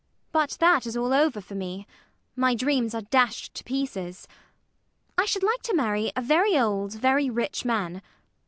But that is all over for me: my dreams are dashed to pieces. I should like to marry a very old, very rich man.